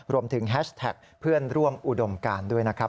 แฮชแท็กเพื่อนร่วมอุดมการด้วยนะครับ